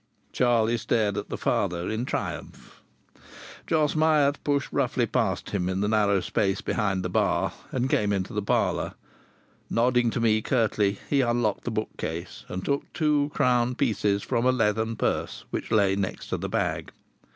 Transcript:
Charlie stared at the father in triumph. Jos Myatt pushed roughly past him in the narrow space behind the bar, and came into the parlour. Nodding to me curtly, he unlocked the bookcase and took two crown pieces from a leathern purse which lay next to the bag.